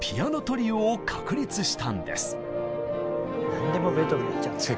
何でもベートーベンやっちゃうんだな。